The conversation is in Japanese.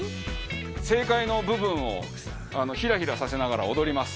正解の部分をヒラヒラさせながら踊ります。